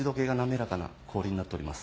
な氷になっております。